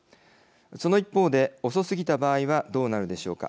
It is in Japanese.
その一方で、遅すぎた場合はどうなるでしょうか。